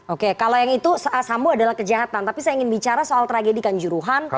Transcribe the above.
oke kalau yang itu sambo adalah kejahatan tapi saya ingin bicara soal tragedi kanjuruhan